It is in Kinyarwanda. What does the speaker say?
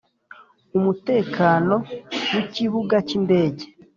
Umutekano w Ikibuga cy Indege